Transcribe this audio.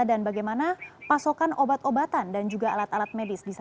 dan bagaimana pasokan obat obatan dan juga alat alat medis